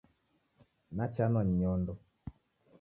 Nachanwa ni nyondo.